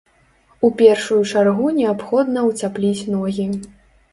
У першую чаргу неабходна ўцяпліць ногі.